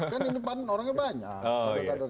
kan di depan orangnya banyak kader